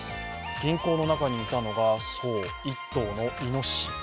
銀行の中にいたのが一頭のいのしし。